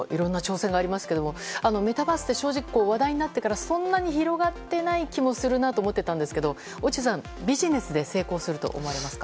いろんな挑戦がありますがメタバースって正直、話題になってからそんなに広がっていない気もしていると思っていたんですが、落合さんビジネスで成功すると思われますか。